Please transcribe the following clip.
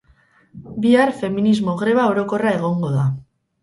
Bihar feminismo greba orokorra egongo da